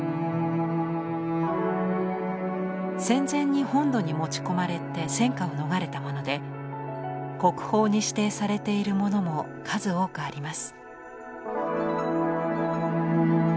戦前に本土に持ち込まれて戦火を逃れたもので国宝に指定されているものも数多くあります。